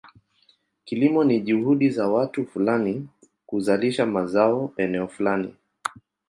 Kilimo ni juhudi za watu fulani kuzalisha mazao eneo fulani.